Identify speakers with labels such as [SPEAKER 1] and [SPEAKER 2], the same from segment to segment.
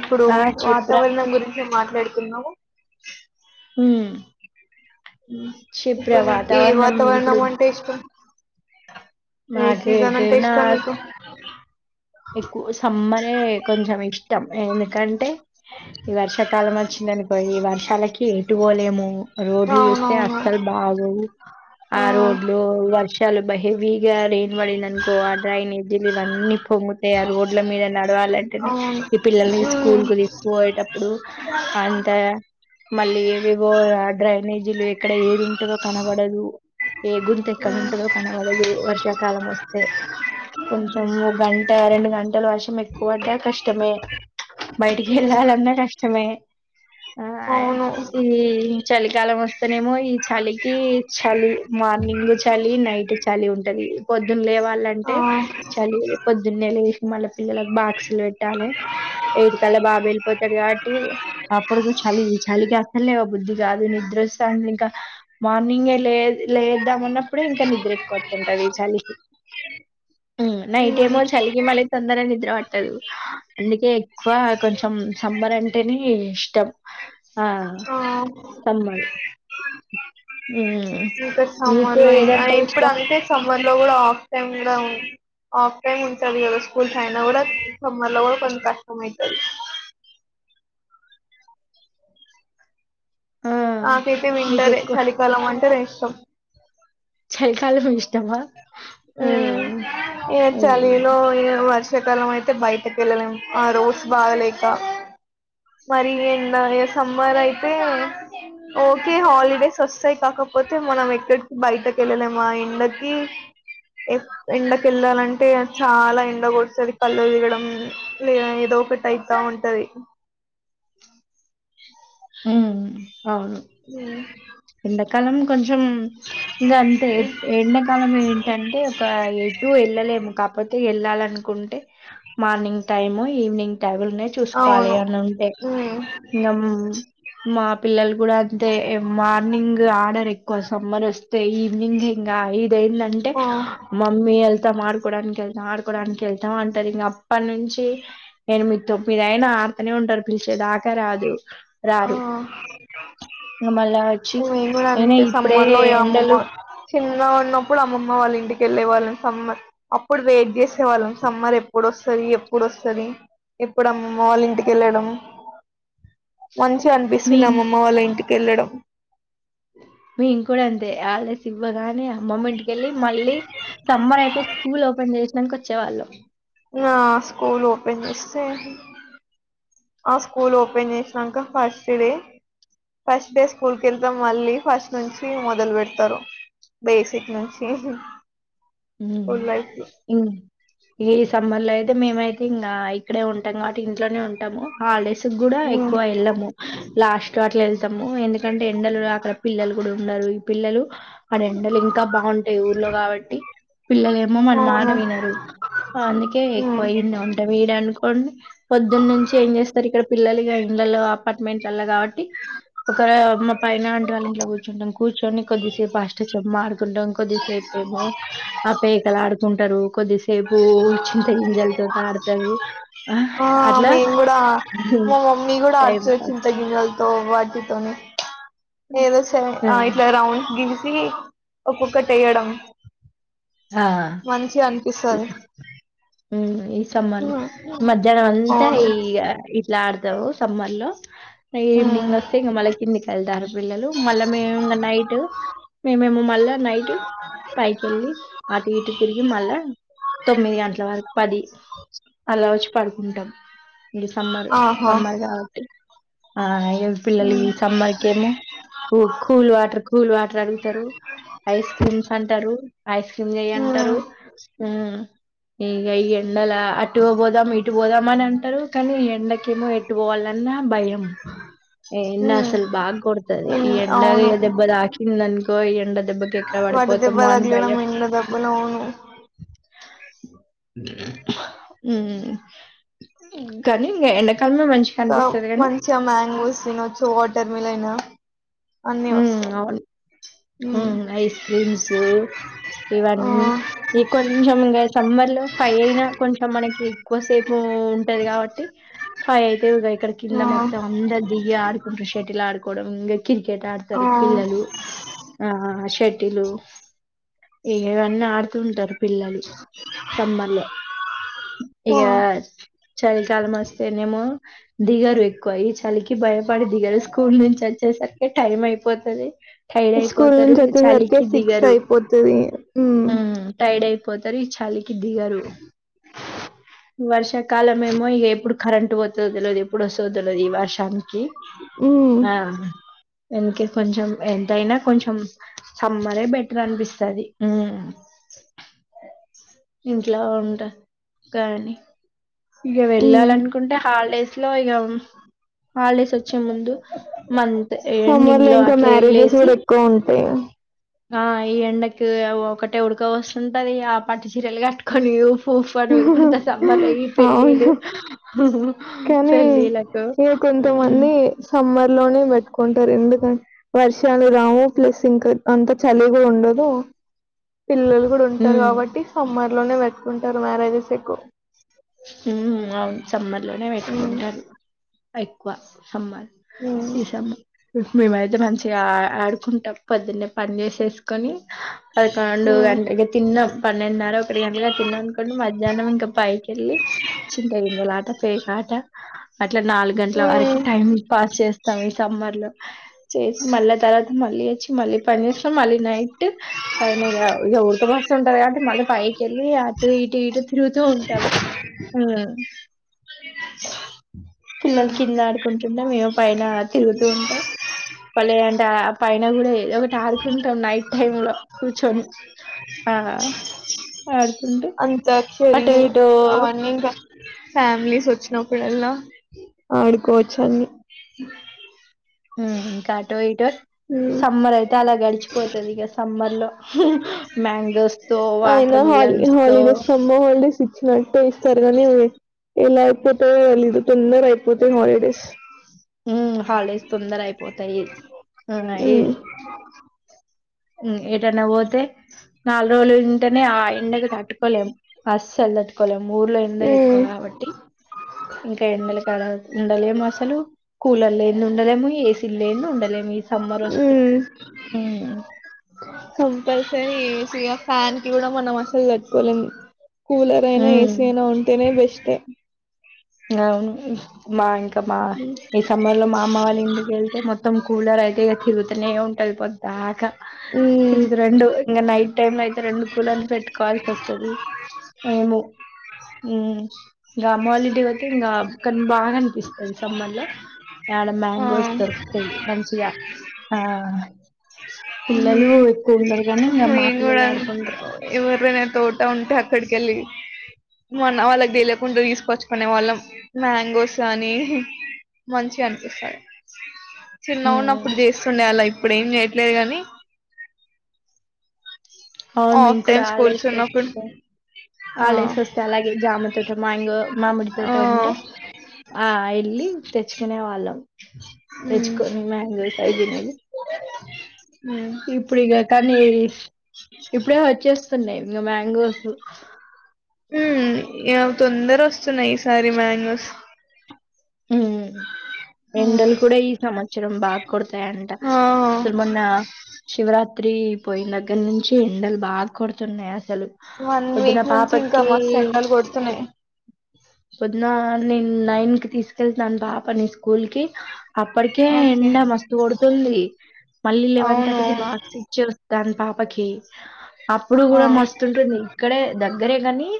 [SPEAKER 1] ఇప్పుడు
[SPEAKER 2] ఆ చెప్పురా
[SPEAKER 1] వాతావరణం గురించి మాట్లాడుకుందాం
[SPEAKER 2] మ్మ్
[SPEAKER 1] ఇప్పు ఏ వాతావరణ
[SPEAKER 2] ఇప్పుడు
[SPEAKER 1] అంటే ఇష్టము ఏ
[SPEAKER 2] నాకు
[SPEAKER 1] సీజన్ అంటే
[SPEAKER 2] ఎటైనా
[SPEAKER 1] ఇష్టం మీకు
[SPEAKER 2] ఎక్కువ సమ్మరే కొంచెం ఇష్టం ఎందుకంటే ఈ వర్షాకాలం వచ్చి దనుకో పోయి వర్షాలకి ఏటు పోలేము రోడ్లు చూస్తే
[SPEAKER 1] అవునవును.
[SPEAKER 2] అస్సలు బాగోవు. ఆ రోడ్లు వర్షాలు హెవీ గా రైన్ పడిందనుకో ఆ డ్రైనేజ్ లు ఇవ్వని అ రోడ్ల మీద నడవాలంటేనే
[SPEAKER 1] అవును.
[SPEAKER 2] ఈ పిల్లల్ని స్కూల్
[SPEAKER 1] హ్మ్.
[SPEAKER 2] కు తీసుకుపోయేటప్పుడు అ అంత మళ్ళీ ఏవేవో డ్రైనేజీలు ఎక్కడ ఏది ఉంటందో కనబడదు. ఏ గుంత ఎక్కడ
[SPEAKER 1] హ్మ్.
[SPEAKER 2] ఉంటదో కనగడదు వర్షాకాలం వస్తే కొంచెం గంట రెండు గంటల వర్షం ఎక్కువ పడ్డా కష్టమే బయటికి
[SPEAKER 1] హ్మ్.
[SPEAKER 2] వెళ్ళాలన్నా కష్టమే. ఆ
[SPEAKER 1] అవును.
[SPEAKER 2] ఈ చలికాలం వస్తనేమో ఈ చలికి చలి మార్నింగ్ చలి నైట్ చలి ఉంటది పొద్దున్న
[SPEAKER 1] ఆ!
[SPEAKER 2] లేవళ్ళంటే చలి పొద్దున్నేల లేసి మళ్ళ పిల్లలకు బాక్సులు పెట్టాలి ఏడుకల్ల బాబు వెళ్ళిపోతాడు కాబట్టి అప్పుడు చలి చలికి అసలేవా బుద్ధదిగాదు నిద్రస్తంది ఇంకా మార్నింగ్ లే లేద్దాం అన్నప్పుడే ఇంకా నిద్ర ఎక్కువ వతుంటది చలికి ఉమ్
[SPEAKER 1] హ్మ్.
[SPEAKER 2] ఏమో చలిగి మళ్ళీ తొందర నిద్ర పట్టదు అందుకే ఎక్కువ కొంచెం సమ్మర్ అంటేనే ఇష్టం ఆ సమ్మర్ ఉమ్
[SPEAKER 1] సమ్మర్ లో ఇప్పుడు అంటే సమ్మర్ లో కూడా ఆఫ్ టైమ్ కూడా ఆఫ్ టైమ్ ఉంటది కదా స్కూల్ కి యన కూడా సమ్మర్ లో కొంచెం కష్టం అయితది
[SPEAKER 2] ఆ
[SPEAKER 1] నాకైతే
[SPEAKER 2] మీకు
[SPEAKER 1] వింటర్ ఏ
[SPEAKER 2] ఎక్కువ
[SPEAKER 1] చలికాలం అంటే ఇష్టం.
[SPEAKER 2] చలికాలం ఇష్టమా మ్మ్.
[SPEAKER 1] ఉమ్ చలి
[SPEAKER 2] మ్మ్.
[SPEAKER 1] లో ఇగ వర్షాకాలం అయితే బయటకి వెళ్ళలేం ఆ రోడ్స్ బాగాలేక మరి ఏడ ఇగా సమ్మర్ అయితే ఓకే హాలిడేస్ వస్తాయి కాకపోతే మనం ఎక్కడికి బయటకి వెళ్ళలేమా ఎండకి ఏ ఎండకెళ్లాలంటే చాలా ఎండ కొడుతది కళ్ళు తిరగడం ఒకటి అయితా ఉంటది
[SPEAKER 2] మ్మ్.
[SPEAKER 1] ఉ
[SPEAKER 2] ఏడ కాలం కొంచం ఇంకా అంతే ఎండాకాలం ఏంటంటే ఒక ఎటు వెళ్ళలేము కాకపోతే అ వెళ్ళాలనుకుంటే మార్నింగ్ టైమ్ ఈవినింగ్ ైబుల్నే చూసుకోవాలి
[SPEAKER 1] అవును
[SPEAKER 2] ఏమన్నా ఉంటే
[SPEAKER 1] ఉమ్,
[SPEAKER 2] ఇంకా మా పిల్లలు కూడా అంటే మార్నింగ్ ఆర్డర్ ఎక్కువ సమ్మర్ వస్తే ఈవినింగ్ ఇంకా ఏంటంటే
[SPEAKER 1] ఆ
[SPEAKER 2] మమ్మీ తా ఆడుకోడానికి వెళ్తాం ఆడుకోడానికి వెళ్తాం అంటారు ఇంక అప్పటి నుంచి ఎనిమిది తొమ్మిద అయినా ఆ ఆడుతూనే ఉంటారు పిలిచే దాకా రాదు రారు
[SPEAKER 1] ఆ
[SPEAKER 2] ఇంక మళ్ళా వచ్చి
[SPEAKER 1] మేము కూడా
[SPEAKER 2] అయినా
[SPEAKER 1] అంతే
[SPEAKER 2] ఇప్పుడే
[SPEAKER 1] సమ్మర్ లోయ అమ్మమ్మ
[SPEAKER 2] ఎండలు
[SPEAKER 1] చిన్నగా ఉన్నప్పుడు అమ్మమ్మ వాళ్ల ఇంటికి వెళ్లే వాళ్లం సమ్మర్ అప్పుడు వెయిట్ చేసే వాళ్లం సమ్మర్ ఎప్పుడు వస్తది ఎప్పుడు వస్తది ఎప్పుడు అమ్మమ్మ వాళ్ల ఇంటికి వెళ్ళడం మంచిగా
[SPEAKER 2] మీ
[SPEAKER 1] అనిపిస్తుండే అమమ్మ వాళ్ల ఇంటికి వెళ్ళడం
[SPEAKER 2] మేం కూడా అంతే హాలీడేస్ ఇవ్వగానే అమ్మమ్మ ఇంటికెళ్ళి మళ్లీ సమ్మర్ అయితే స్కూల్ ఓపెన్ చేసినంక వచ్చే వాళ్లం
[SPEAKER 1] అ స్కూల్ ఓపెన్ చేస్తే ఆ స్కూల్ ఓపెన్ చేసినంక first day first day school కి వెళ్తాం మళ్లీ ఫస్ట్ నుంచి మొదలు పెడతారు బేసిక్ నుంచి
[SPEAKER 2] మ్
[SPEAKER 1] స్కూల్ లైఫ్ లో
[SPEAKER 2] మ్ ఇ సమ్మర్ లో అయితే మేమైతే ఇంకా ఇక్కడే ఉంటాం కాబట్టి ఇంట్లోనే ఉం టాము హాలిడేస్ కూడా ఎక్కువ ఎళ్ళము లాస్ట్ అట్లా వెళ్తాము ఎందుకంటే ఎండలు అక్కడ పిల్లలు కూడా ఉండరు ఈ పిల్లలు ఆడ ఎండలు ఇంకా బాగుంటాయి ఊర్లో కాబట్టి పిల్లలేమో మన మాట
[SPEAKER 1] అవును
[SPEAKER 2] వినరు అందుకే ఎక్కువ ఈనే వుంటము ఏడ అనుకోండి పొద్దున్న నుంచి ఏం చేస్తారు ఇక్కడ పిల్లలు ఇగా ఇండ్లలో ఆపార్ట్ మెంట్ల్లా కాబట్టి ఒక మా పైన ఆంటీ వాళ్ల ఇంట్లో కూర్చుంటం కూర్చొని కొద్దిసేపు అష్టాచె మ్మ ఆడుకుంటాం కొద్దిసేపేమో ఆ పేకలు ఆడుకుంటారు కొద్దిసే పు చింతగింజలు తోటి ఆడతారు ఆ అట్లా
[SPEAKER 1] మేము కూడా మా మమ్మీ కూడా
[SPEAKER 2] టైం
[SPEAKER 1] ఆడ్తది
[SPEAKER 2] పాస్
[SPEAKER 1] చింత గింజలతో వాటితోని ఏదో సెవన్ ఆ ఇట్లా రౌండ్స్ గీసి ఒక్కొక్కటి ఏయడం
[SPEAKER 2] ఆ ఉమ్ ఈ సమ్మర్ లో మధ్యాహ్నం అంతా
[SPEAKER 1] అవును
[SPEAKER 2] ఈ ఇట్లా ఆడు తం సమ్మర్ లో
[SPEAKER 1] ఉమ్
[SPEAKER 2] ఈవినింగ్ వస్తే ఇంక మళ్లా కిందికి వెళ్తారు పిల్లలు మళ్లా మేము ఇంకా నైట్ మేమేమొ మళ్లా నైట్ పైకి ఎళ్లి అటు ఇటు తిరిగి మళ్లా తొమ్మిది గంటల వరకు పది అలా వచ్చి పడుకుం టం ఇగ సమ్మర్
[SPEAKER 1] ఆహా
[SPEAKER 2] సమ్మర్ కాబట్టి ఆ ఇగ పిల్లలు
[SPEAKER 1] ఉమ్
[SPEAKER 2] ఈ సమ్మర్కి ఏమో కూ కూల్ వాటర్ కూల్ వాటర్ అడుగుతారు ఐస్ క్రీమ్స్ అంటారు ఐస్ అంటారు
[SPEAKER 1] ఉమ్
[SPEAKER 2] మ్ ఇగ ఈ ఎండల అటు పోదాం ఇటు పోదాం అని అంటారు కానీ ఈ ఎండకేమో ఎటు పోవాల న్న భయం ఏ ఎండ
[SPEAKER 1] ఉమ్
[SPEAKER 2] అసలు బాగోడుతది. ఈ ఎండ ఏ దెబ్బ తాకిందనున్కో ఈ ఎండ దెబ్బకు ఎక్కడ్
[SPEAKER 1] వడదెబ్బ దగ్లడం ఇండ్ల దెబ్బలావును
[SPEAKER 2] మ్ కానీ వెల్లక్
[SPEAKER 1] అవ్ మంచిగా మ్యాంగోస్ తినొచ్చు, వాటర్ మిలను. అన్నీయా వస్తార్
[SPEAKER 2] మ్ ఐస్ క్రీమ్స్ ఇవన్నీ
[SPEAKER 1] ఆ
[SPEAKER 2] ఇ కొంచెం ఇంగా సమ్మర్ లో పైనా కొంచెం మనకి ఎక్కువసేపు ఉంటది కాబట్టి. ఫైవ్ అయితే ఇగ ఇక్కడ కింద
[SPEAKER 1] ఆ
[SPEAKER 2] మొత్తం. అందరు దిగి ఆడుకుంటారు, షటిల్ ఆడుకోవడం ఇంగా కిర్ కెట్
[SPEAKER 1] ఆ
[SPEAKER 2] ఆడుతారు పిల్లలు. ఆ హా హా టెటిలు ఇగ్ ఇవన్నీ ఆడుతుంటారు. పిల్లలు సమ్మర్ లో ఇగ
[SPEAKER 1] ఆ
[SPEAKER 2] చలికాలం వస్తేనేమో దిగరు ఎక్కువ ఈ చలికి భయపడి దిగరు స్కూల్ నుంచి వచ్చేసరికి టైం అయిపోతది టైడ్
[SPEAKER 1] స్కూల్
[SPEAKER 2] అయిపోతారు.
[SPEAKER 1] నుంచి వచ్చేసరికి
[SPEAKER 2] చలికి
[SPEAKER 1] సిక్స్
[SPEAKER 2] దిగరు
[SPEAKER 1] అయిపోతది
[SPEAKER 2] ఉమ్ టైడ్ అయి పోతారు. ఈ చలికి దిగరు, వర్షాకాలం ఏమో ఇగ ఎప్పుడు కరెంట్ పోతదో తెల్వది, ఎప్పుడు వస్తదో తెల్వది ఈ వర్షానికి.
[SPEAKER 1] ఉమ్
[SPEAKER 2] ఆ వెన్కి కొంచెం ఎంతయినా కొంచెం సమ్మరే బెట్రనిపిస్తది. ఇంట్లా ఉంట కానీ ఇగా
[SPEAKER 1] ఉమ్
[SPEAKER 2] వెళ్ళాలనుకుంటే హాల్డేస్ లో ఇగ హామ్ హాల్డేస్ వచ్చే ముందు మం
[SPEAKER 1] సమ్మర్ లో ఇంకా మ్యారేజెస్ కూడా ఎక్కువ ఉంటాయి.
[SPEAKER 2] ఆ ఈ ఎండకి ఒకటే ఉడక పోస్తుంటది. ఆ పట్టు చీరలు కట్టుకొని. ఉఫుఫని ఉదుకుంత సమ్మర్ లో ఈ పెళ్ళిళ్లు.
[SPEAKER 1] అవును
[SPEAKER 2] హొ హొ
[SPEAKER 1] కానీ ఇగ
[SPEAKER 2] హ్మ్.
[SPEAKER 1] కొంతమంది. స మ్మర్ లోనే బేట్టుకుంటారు. ఎందుకంట్ వర్షాలు రావు ప్లస్ ఇంకా అంత చలిగా ఉండదు. ఓ పిల్లలు కూడా ఉంటారు
[SPEAKER 2] హ్మ్.
[SPEAKER 1] కాబట్టి. సమ్మర్ లోనే పెట్టుకుంటారు. మ్యారేజెస్ ఎక్కువ్
[SPEAKER 2] ఉమ్ హు అవును సమ్మర్ లోనే
[SPEAKER 1] ఉమ్
[SPEAKER 2] పెట్టుకుంటారు. ఎక్కువ సమ్మర్
[SPEAKER 1] ఉమ్
[SPEAKER 2] సి సమ్మ హు మేమైతే మంచిగా ఆడుకుంటం. పొద్దున్నే పని చేసేసుకొని. పదకొండు
[SPEAKER 1] ఉమ్
[SPEAKER 2] గంటకి ఇగ తిన్నాం. పన్నెండున్నర ఒకటి గంటలుగా తిన్నాం అనుకోండి. మధ్యాహ్నం ఇంకా పైక్ వెళ్ళి చింత గింజలాట, పేకాట అట్లా నాలుగు గంట్ల వరకు
[SPEAKER 1] ఉమ్
[SPEAKER 2] టైం పాస్ చేస్ స్తాం. ఈ సమ్మర్ లో చేసి మళ్ళా తర్వాత మళ్ళీ వచ్చి, మళ్ళీ పని చేస్కోని, మళ్ళీ నైట్. టు పైనిగా ఇగ ఉడక పోస్టుంటదిగా. మళ్ళీ పైకేళ్ళి అటు ఇటు ఇటు తిరుగుతూ ఉంటాం. ఉమ్ పిల్లాల్ కిందడుకు కుంటుంటే. మేము పైన తిరుగుతూ ఉంటాం. మల్లే ఏ అంటే ఆ పైన గూడా ఏదో ఒకటి ఆరుకుంటాం. నైట్ టైం లో కూర్చొని ఆ ఆడుకుంటు అటో ఇటో
[SPEAKER 1] నింకా ఫ్యామిలీస్ వచ్చినప్పుడల్లా, ఆడుకోవచ్చు అన్ని.
[SPEAKER 2] ఉమ్ ఇంకా అటో ఇటో సమ్మర్ అయితే అలాగ్ గడిచిపోతదిగా. సమ్మర్ లో మ్యాంగోస్ తో
[SPEAKER 1] ఆయన
[SPEAKER 2] వాటర్
[SPEAKER 1] హాల్
[SPEAKER 2] మిలన్స్ తో
[SPEAKER 1] హాలిడేస్ సమ్మర్ హాల్డేస్ ఇచ్చినట్టటు ఇస్తారు. గాని ఎలా అయిపోతదో తెలీదు తొందర అయిపోతయి. హాలీడేస్
[SPEAKER 2] ఉహ్మ్ హాల్డేస్ తొందర అయిపోతాయి
[SPEAKER 1] ఉహ్మ్
[SPEAKER 2] మ్మ్ ఏటైనా పోతే నాలుగు రోజులు ఉంటేనే. ఆ ఎండకు తట్టుకోలేం, అస్సలు తట్టుకోలేం. ముర్లో ఎండలు
[SPEAKER 1] ఉమ్
[SPEAKER 2] ఎక్కువ కాబట్టి. ఇంకా ఎండలకాడ ఉండలేమాసలు. కాలర్లేంది ఉండదేమో మీ ఏస్ లేన్ది ఉండలేం ఈ సమ్మర్ వస్తే.
[SPEAKER 1] ఉమ్ ఏసి యొ ఫ్యాన్ కి గూడా మనము అసలు తట్టుకోలేము కూలరైనా
[SPEAKER 2] ఉమ్,
[SPEAKER 1] ఏసీ అయినా ఉంటేనే బెస్టే
[SPEAKER 2] గవును మా మా ఈ సమ్మర్ లో మా అమ్మ వాళ్ళ ఇంటికి వెళ్తే మొత్తం కూలర్ అయితే ఇ తిరుగుతానే ఉంటది పొద్ ద్దాకా
[SPEAKER 1] ఉమ్
[SPEAKER 2] తిరుగదురండు ఇంకా నైట్ టైమ్ అయి త్తే రెండు కూలర్లు పెట్టుకోవాల్సి వస్తది మేము ఉ ఇంగ అమ్మ వాళ్ళ ఇంటికి పొ తే ఇంగ కానీ బాగా అనిపిస్తది సమ్మర్ లో ఆడ
[SPEAKER 1] ఆ
[SPEAKER 2] మ్యాంగోస్ దొరుకుతాయి. మంచిగా ఆ పిల్లలు ఎక్కువ ఉండరు గనీ ఇంగ మా పిల్లొల్లే ఆడుకుండ్రు
[SPEAKER 1] ఎవర్దన్న తోట ఉంటే అక్కడికెళ్ళి మొన్న వాళ్ళకి దెలియకుండా తీసుకొచ్చుకునే వాళ్ళం మ్యాంగోస్ గాని మంచిగా అనిపిస్తా చిన్నగున్నప్పుడు జేస్తుండే వాళ్లం ఇప్పుడు ఏం చేయట్లేదు గాని
[SPEAKER 2] అవును మీకు కూడా ఆల్ డేస్
[SPEAKER 1] ఉన్నప్పుడు
[SPEAKER 2] వొత్తే
[SPEAKER 1] ఆ
[SPEAKER 2] ఆల్ డేస్ వస్తే అలాగే జామ తోట మాంగో మామిడి తోట
[SPEAKER 1] ఆ
[SPEAKER 2] ఉంటే ఆ ఇ వెళ్ళి తెచ్చుకునే వాళ్ళం
[SPEAKER 1] ఉమ్,
[SPEAKER 2] తెచ్చుకోని మ్యాగోస్ అవి దినేది
[SPEAKER 1] ఉమ్,
[SPEAKER 2] ఇప్పుడు ఇగ కానీ ఇప్పుడే వచ్చేస్తున్నాయ్ ఇంగ మ్యాంగోసు
[SPEAKER 1] ఉ ఏమొ తొందర వస్తున్నాయి ఈ సారీ మ్యాంగోస్
[SPEAKER 2] ఉ ఎండలు కూడా ఈ సంవత్సరం బాగా కొడతాయంట అసలు మొన్న శివరా త్రి పోయిన దగ్గర నుంచి ఎండలు బాగా కొడుతున్నాయి అస సలు
[SPEAKER 1] వన్
[SPEAKER 2] పొద్దున
[SPEAKER 1] వీక్ నుంచి ఇంకా
[SPEAKER 2] పాపకి
[SPEAKER 1] మస్తు ఎండలు కొడుతున్నాయి
[SPEAKER 2] పొద్దున నేను నైన్ కి తీసుకెళ్తాన్ పాప ని స్కూల్ కి అప్పడికే
[SPEAKER 1] ఓకే
[SPEAKER 2] ఎండ మస్తు కొడుతుంది మళ్ళీ లెవెన్
[SPEAKER 1] అవును
[SPEAKER 2] థర్టీకి బాక్స్ ఇచ్చొ స్తాన్ పాపకి అప్పుడు కూడా
[SPEAKER 1] అవును ఆ.
[SPEAKER 2] మస్తుంటుంది ఇక్కడే దగ్గరే గాని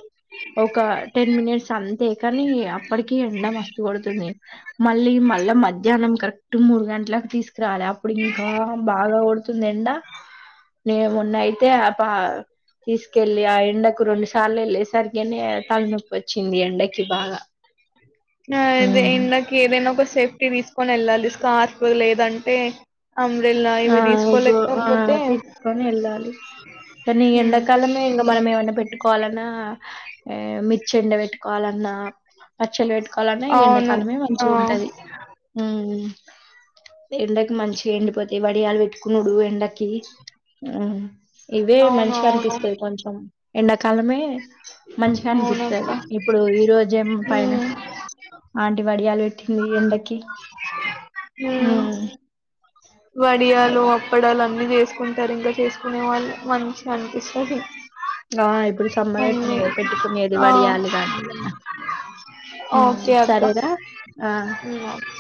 [SPEAKER 2] ఒక టెన్ మినిట్స్ అంతే కాని అప్పటికి ఎండ మస్ గొడుతుంది మళ్ళీ మళ్ళా మధ్యానం కరెక్ట్ మూడు గంటలకు తీసుకురాలి అప్పుడు ఇంకా బాగా గొడుతుంది ఎండ నేమొన్న అయితే ఆ పా తీసుకెళ్ళి ఆ ఎండకు రెండు సార్లు ఎళ్ళేసరి గనే తలనొప్పి వచ్చింది ఎండకి బాగా
[SPEAKER 1] ఆదే
[SPEAKER 2] హ్మ్.
[SPEAKER 1] ఎండకి ఏదైనా ఒక సేఫ్టీ తీసుకొని వెళ్ళాలి స్కార్ఫ్ లేదంటే అంబ్రెల్లా
[SPEAKER 2] ఆ
[SPEAKER 1] ఇవి
[SPEAKER 2] గో ఆ
[SPEAKER 1] తీసుకోలేకపోతే
[SPEAKER 2] తీసుకొని ఎళ్ళాలి కానీ
[SPEAKER 1] ఉమ్
[SPEAKER 2] ఎండాకాలమే ఇంగ మనం ఏమన్నా పెట్టు కోవాలన్నా మిర్చి ఎండ పెట్టుకోవాలన్నా పచ్చలు వెట్టు కొలన్న ఈ
[SPEAKER 1] అవును
[SPEAKER 2] ఎండాకాలమే
[SPEAKER 1] ఆ
[SPEAKER 2] మంచిగా ఉంటది ఎండకు మంచిగా ఎండిపోత ఈ వడియాలు పెట్టుకున్నుడు ఎండకి ఇవే
[SPEAKER 1] అవును
[SPEAKER 2] మంచిగా
[SPEAKER 1] అవును
[SPEAKER 2] అనిపిస్తది కొంచెం ఎండకాలమే మంచిగా
[SPEAKER 1] అవునక్క
[SPEAKER 2] అనిపిస్తది ఇప్పుడు ఈ రోజేమో పైన
[SPEAKER 1] ఉమ్
[SPEAKER 2] ఆంటి వడియాలు పెట్టింది ఎండకి
[SPEAKER 1] హు
[SPEAKER 2] హ్మ్. అలా.
[SPEAKER 1] వడియాలు అప్పడలు అవన్నీ చేసుకుంటారు ఇంగా చేసుకునే వాళ్ళు మంచిగా అనిపిస్తది
[SPEAKER 2] ఆ ఇప్పుడు సమ్మర్ అయితేనే
[SPEAKER 1] అన్ని
[SPEAKER 2] కదా పెట్టుకునేది
[SPEAKER 1] ఆ
[SPEAKER 2] వడియాలి గానీ ఏదన్నా హ్మ్.
[SPEAKER 1] ఓకే అక్క
[SPEAKER 2] సరేరా? ఆ!
[SPEAKER 1] ఉ ఓకే